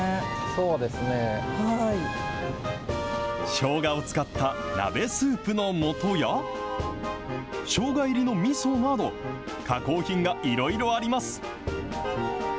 しょうがを使った鍋スープのもとや、しょうが入りのみそなど、加工品がいろいろあります。